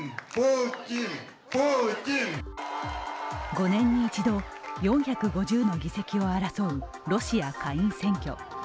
５年に一度４５０の議席を争うロシア下院選挙。